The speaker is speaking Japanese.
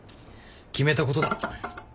決めたことだ。